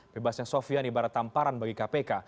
bebasnya sofian ibarat tamparan bagi kpk